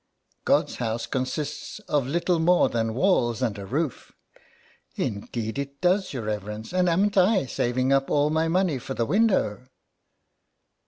''*' God's House consists of little more than walls and a roof." " Indeed it does, your reverence ; and amn't I saving up all my money for the window."